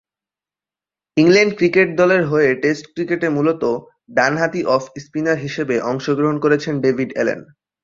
England cricket দলের হয়ে test ক্রিকেটে মূলতঃ ডানহাতি অফ-স্পিনার হিসেবে অংশগ্রহণ করেছেন ডেভিড অ্যালেন।